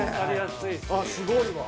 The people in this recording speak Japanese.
すごいわ。